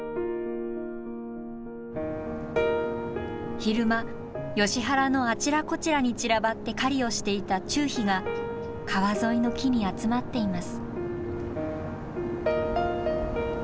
昼間ヨシ原のあちらこちらに散らばって狩りをしていたチュウヒが川沿いの木に集まっています。